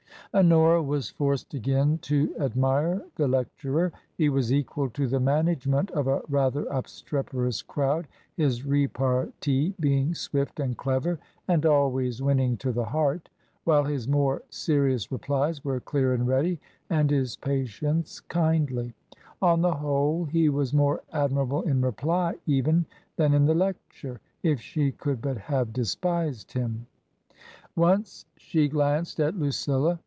Honora was forced again to admire the lecturer. He was equal to the management of a rather obstreperous crowd, his repartee being swifk and clever and always winning to the heart, while his more serious replies were clear and ready, and his patience kindly ; on the whole, he was more admirable in reply even than in the lecture. If she could but have despised him ! Once she glanced at Lucilla.